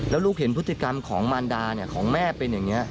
แล้วลูกเห็นพฤติกรรมของมารดาของแม่เป็นอย่างนี้